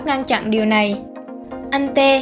ngăn chặn điều này anh t